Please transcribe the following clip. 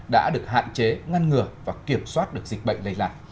đã được hạn chế ngăn ngừa và kiểm soát được dịch bệnh lây lan